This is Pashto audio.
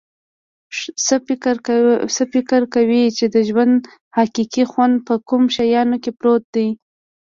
څه فکر کویچې د ژوند حقیقي خوند په کومو شیانو کې پروت ده